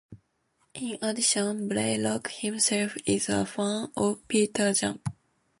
In addition, Blaylock himself is a fan of Pearl Jam.